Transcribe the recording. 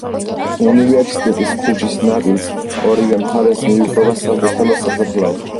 უნივერსიტეტის ქუჩის ნაწილს ორივე მხარეს მიუყვება საბურთალოს სასაფლაო.